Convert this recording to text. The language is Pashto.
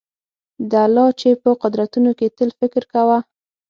د الله چي په قدرتونو کي تل فکر کوه